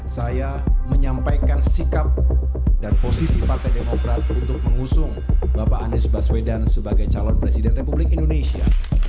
saya menyampaikan sikap dan posisi partai demokrat untuk mengusung bapak anies baswedan sebagai calon presiden republik indonesia